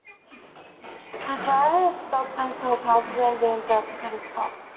The drivers stopped themselves rather than being directed to stop.